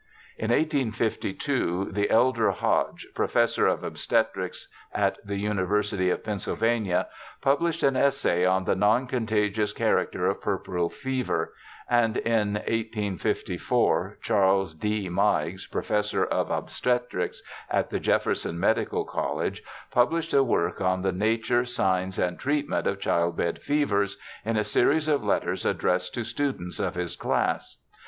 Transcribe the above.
In 1852 the elder Hodge, Professor of Obstetrics at the University of Pennsylvania, published an essay on the non contagious character of puerperal fever, and in 1854 Charles D. Meigs, Professor of Obstetrics at the Jefferson Medical College, pubhshed a work on the nature, signs, and treatment of child bed fevers, in a series of letters addressed to students of his class.